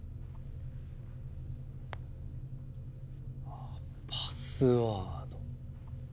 あっ「パスワード」。